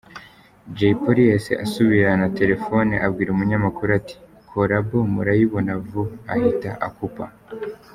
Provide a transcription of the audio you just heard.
Jay Polly yahise asubirana telefone abwira umunyamakuru ati “Collabo murayibona vuba” ahita akupa.